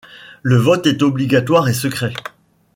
Le vote est obligatoire et secret.